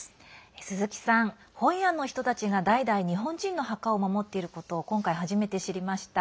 鈴木さん、ホイアンの人たちが代々、日本人の墓を守っていることを今回、初めて知りました。